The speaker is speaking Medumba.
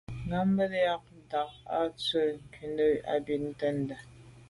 Ŋgàbándá nyâgə̀ ják á ndɑ̌’ ndzwə́ ncúndá á bì’də̌ tɛ̌ndá.